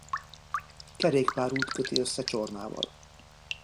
Kerékpárút köti össze Csornával.